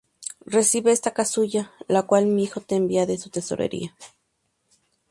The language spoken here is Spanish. Recibe esta casulla la cual mi Hijo te envía de su tesorería.